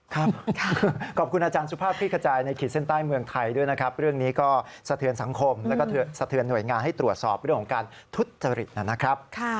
ขอบคุณอาจารย์สุภาพที่กระจายในขีดเส้นใต้เมืองไทยด้วยนะครับเรื่องนี้ก็สะเทือนสังคมแล้วก็สะเทือนหน่วยงานให้ตรวจสอบเรื่องของการทุจริตนะครับ